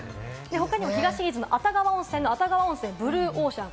東伊豆の熱川温泉の「熱川温泉ブルーオーシャン」。